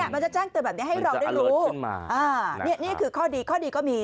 มันจะแจ้งเตือนแบบนี้ให้เราได้รู้นี่คือข้อดีข้อดีก็มี